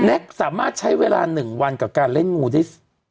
แน็กสามารถใช้เวลาหนึ่งวันกับการเล่นงูที่